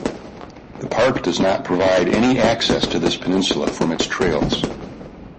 The park does not provide any access to this peninsula from its trails.